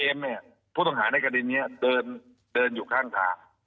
เนี่ยผู้ต้องหาในกระดินนี้เดินอยู่ข้างทาง